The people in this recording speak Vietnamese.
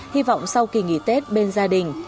hy vọng sau kỳ nghỉ tết bên gia đình